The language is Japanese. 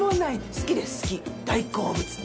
好きです好き大好物。